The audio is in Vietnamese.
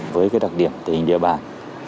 với đặc điểm tình hình địa bản